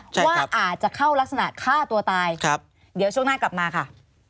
ว่าอาจจะเข้ารักษณะฆ่าตัวตายครับเดี๋ยวช่วงหน้ากลับมาค่ะ